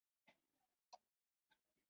خصوصي پانګوال د خپلې پانګې په اړه شک کې وو.